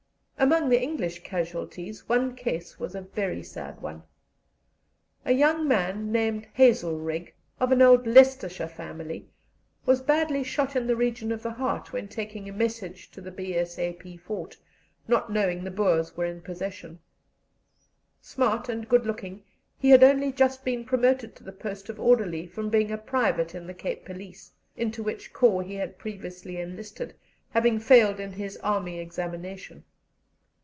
Among the English casualties, one case was a very sad one. A young man, named Hazelrigg, of an old Leicestershire family, was badly shot in the region of the heart when taking a message to the B.S.A.P. fort, not knowing the Boers were in possession. Smart and good looking, he had only just been promoted to the post of orderly from being a private in the Cape Police, into which corps he had previously enlisted, having failed in his army examination.